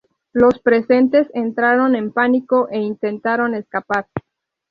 Los presentes entraron en pánico e intentaron escapar.